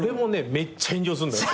めっちゃ炎上すんだよ。